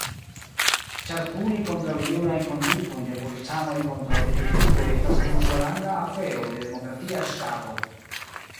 Ĉar puni kontraŭjurajn kondutojn de policanoj kontraŭ deliktuloj estas unuaranga afero de demokratia ŝtato.